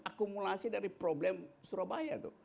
akumulasi dari problem surabaya